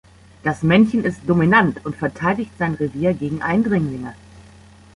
Das Männchen ist dominant und verteidigt sein Revier gegen Eindringlinge.